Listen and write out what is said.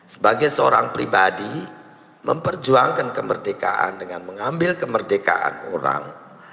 sebagai seorang pribadi memperjuangkan kemerdekaan dengan mengambil kemerdekaan orang